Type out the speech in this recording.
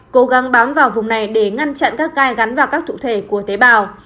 cố gắng bám vào vùng này để ngăn chặn các gai gắn vào các thủ thể của tế bào